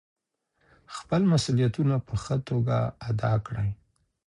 خپل مسؤلیتونه په ښه توګه ادا کړئ.